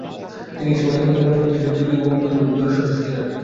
তিনি ইসমত ইনোনুর উপদেষ্টা হিসেবে তুর্কি প্রতিনিধিদলের সদস্য ছিলেন।